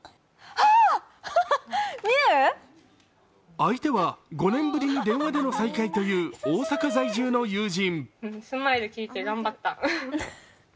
相手は５年ぶりに電話での再会という大阪在住の友人。